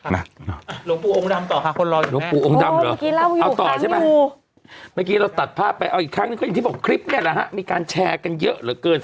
หนีบริเวณด่วย